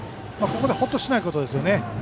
ここでホッとしないことですね。